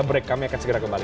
break kami akan segera kembali